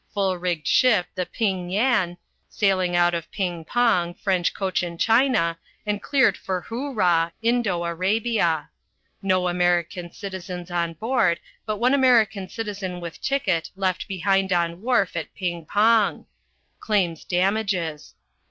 Full rigged ship, the Ping Yan, sailing out of Ping Pong, French Cochin China, and cleared for Hoo Ra, Indo Arabia. No American citizens on board, but one American citizen with ticket left behind on wharf at Ping Pong. Claims damages.